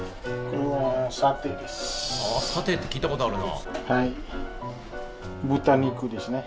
あサテって聞いたことあるな。